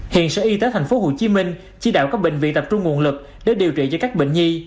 hiện sở y tế tp hcm chỉ đạo các bệnh viện tập trung nguồn lực để điều trị cho các bệnh nhi